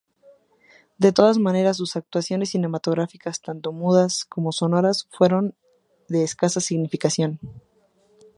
De todas maneras, sus actuaciones cinematográficas, tanto mudas como sonoras, fueron de escasa significación.